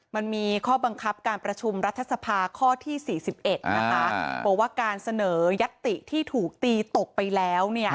มันมีข้อบังคับการประชุมรัฐสภาข้อที่๔๑นะคะบอกว่าการเสนอยัตติที่ถูกตีตกไปแล้ว